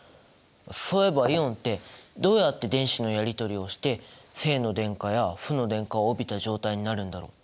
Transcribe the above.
そういえばイオンってどうやって電子のやりとりをして正の電荷や負の電荷を帯びた状態になるんだろう？